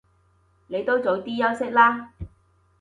你都早啲休息啦